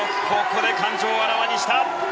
ここで感情をあらわにした。